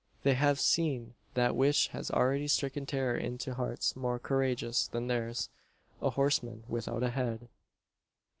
They have seen that which has already stricken terror into hearts more courageous than theirs a horseman without a head!